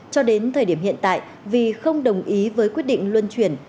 cho đến thời điểm hiện tại vì không đồng ý với quyết định luân chuyển